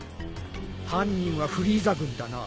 犯人はフリーザ軍だな。